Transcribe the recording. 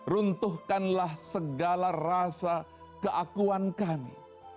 runtuhkanlah segala rasa keakuan kami